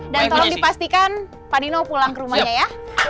dan tolong dipastikan panino pulang ke rumahnya ya